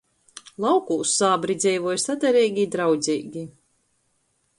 Laukūs sābri dzeivoj sadareigi i draudzeigi.